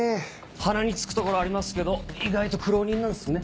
鼻につくところありますけど意外と苦労人なんすね。